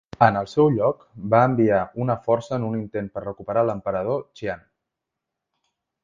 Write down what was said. En el seu lloc, va enviar una força en un intent per recuperar l'emperador Xian.